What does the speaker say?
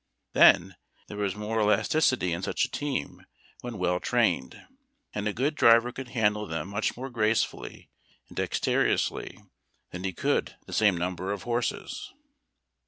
Then, there was more elasticity in such a team when well trained, and a good driver could handle them much more gracefully and dexterously than he could the same number of horses.